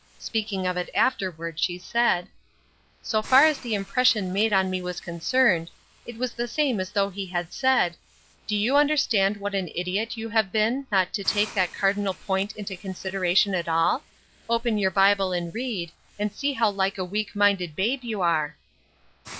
Speaking of it afterward she said: "So far as the impression made on me was concerned, it was the same as though he had said: 'Do you understand what an idiot you have been not to take that cardinal point into consideration at all? Open your Bible and read, and see how like a weak minded babe you are.'"